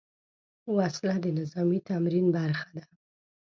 وسله د نظامي تمرین برخه ده